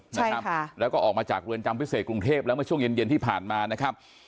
นะครับค่ะแล้วก็ออกมาจากเรือนจำพิเศษกรุงเทพแล้วเมื่อช่วงเย็นเย็นที่ผ่านมานะครับ